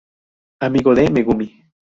Amigo de Megumi.